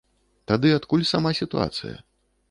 Тады адкуль сама сітуацыя?